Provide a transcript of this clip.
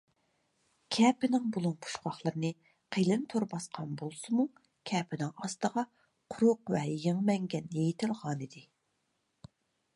كەپىنىڭ بۇلۇڭ پۇچقاقلىرىنى قېلىن تور باسقان بولسىمۇ، كەپىنىڭ ئاستىغا قۇرۇق ۋە يېڭى مەڭگەن يېيىتىلغانىدى.